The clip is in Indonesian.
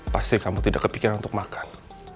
pasti kamu tidak kepikiran untuk makan